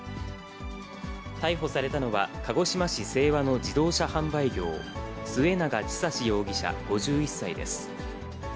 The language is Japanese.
逮捕されたのは、鹿児島市清和の自動車販売業、末永稚容疑者５１歳です。